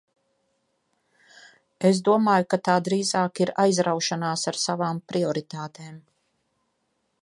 Es domāju, ka tā drīzāk ir aizraušanās ar savām prioritātēm.